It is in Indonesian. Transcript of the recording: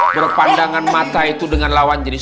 berpandangan mata itu dengan lawan jenis